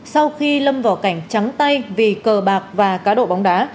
sau khi lâm vào cảnh trắng tay vì cờ bạc và cá độ bóng đá